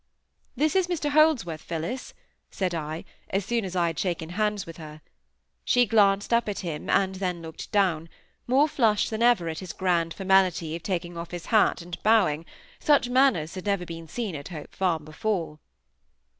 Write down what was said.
"This is Mr Holdsworth, Phillis," said I, as soon as I had shaken hands with her. She glanced up at him, and then looked down, more flushed than ever at his grand formality of taking his hat off and bowing; such manners had never been seen at Hope Farm before.